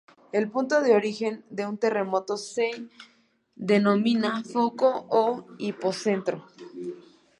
El punto de origen de un terremoto se denomina foco o hipocentro.